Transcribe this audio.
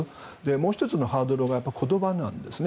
もう１つのハードルが言葉なんですね。